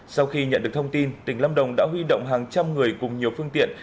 sau khi nhận được thông tin tỉnh lâm đồng đã huy động hàng trăm người cùng nhiều phương tiện